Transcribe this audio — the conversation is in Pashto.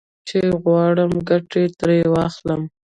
چې غواړم ګټه ترې واخلم.